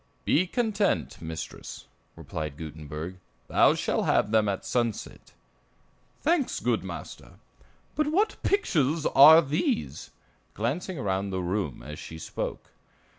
"Be content, mistress," replied Gutenberg; "thou shall have them at sunset." "Thanks, good master; but what pictures are these?" glancing around the room as she spoke.